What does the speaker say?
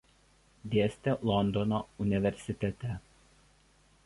Dėstė Londono universitete.